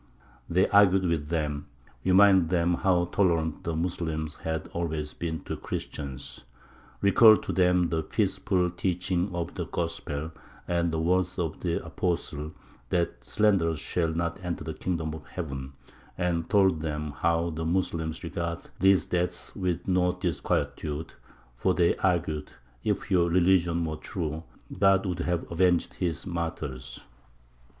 They argued with them; reminded them how tolerant the Moslems had always been to the Christians; recalled to them the peaceful teaching of the gospel, and the words of the apostle, that "Slanderers shall not enter the kingdom of heaven;" and told them how the Moslems regarded these deaths with no disquietude, for they argued, "If your religion were true, God would have avenged His martyrs."